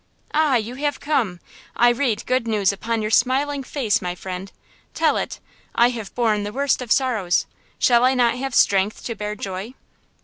"Ah, you have come! I read good news upon your smiling face, my friend! Tell it! I have borne the worst of sorrows! Shall I not have strength to bear joy?"